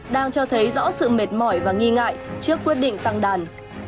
đang cho thấy rõ sự mệt mỏi và nghi ngại trước quyết định tăng đàn